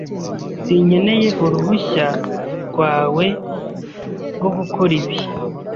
Sinkeneye uruhushya rwawe rwo gukora ibi.